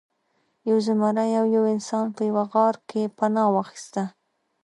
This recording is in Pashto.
یو زمری او یو انسان په یوه غار کې پناه واخیسته.